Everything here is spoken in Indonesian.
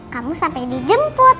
kamu sampai dijemput